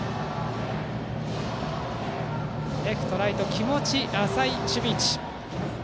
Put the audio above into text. レフト、ライトは気持ち浅い守備位置。